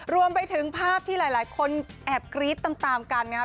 รวมไปถึงภาพที่หลายคนแอบกรี๊ดตามกันนะครับ